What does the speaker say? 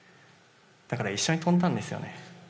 だから一緒に跳んだんですよね。